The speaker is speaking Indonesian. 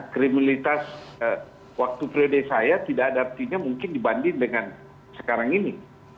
kriminalitas waktu periode saya tidak ada artinya mungkin dibanding dengan sekarang ini